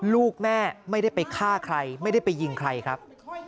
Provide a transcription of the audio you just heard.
ลูกแม่ไม่ได้ไปฆ่าใครไม่ได้ไปยิงใครครับ